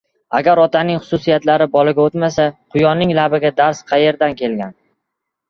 • Agar otaning xususiyatlari bolaga o‘tmasa, quyonning labiga darz qayerdan kelgan?